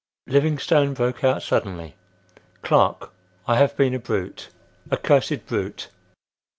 Livingstone broke out suddenly: "Clark, I have been a brute, a cursed brute!"